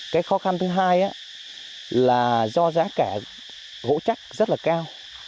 cái khó khăn thứ hai là do giá cả gỗ chắc rất là cao